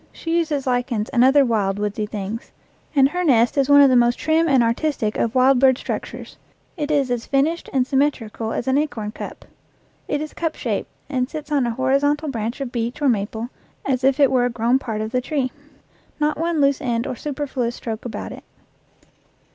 She uses lichens and other wild, woodsy things, and her nest is one of the most trim and artistic of wild bird structures; it is as finished and symmetrical as an acorn cup. It is cup shaped, and sits upon a hori zontal branch of beech or maple as if it were a grown 61 EACH AFTER ITS KIND part of the tree not one loose end or superfluous stroke about it.